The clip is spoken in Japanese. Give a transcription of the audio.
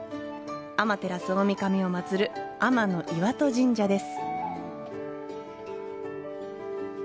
天照大神を祭る天岩戸神社です。